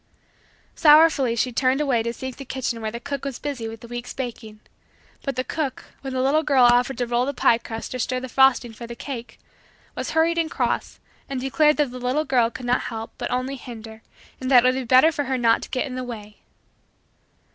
Sorrowfully she turned away to seek the kitchen where the cook was busy with the week's baking. But the cook, when the little girl offered to roll the pie crust or stir the frosting for the cake, was hurried and cross and declared that the little girl could not help but only hinder and that it would be better for her not to get in the way.